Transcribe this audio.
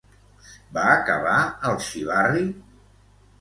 Va acabar, el xivarri?